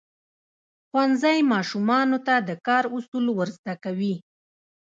ښوونځی ماشومانو ته د کار اصول ورزده کوي.